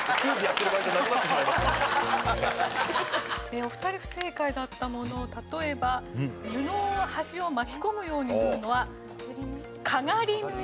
お二人不正解だったもの例えば布の端を巻き込むように縫うのはかがり縫い。